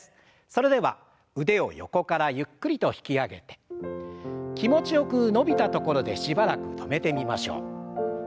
それでは腕を横からゆっくりと引き上げて気持ちよく伸びたところでしばらく止めてみましょう。